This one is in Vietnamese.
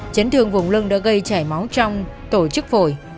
chấn thương vùng lưng đã gây chảy máu trong tổ chức phổi